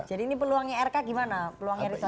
jadi ini peluangnya rk gimana peluangnya ridwan kamil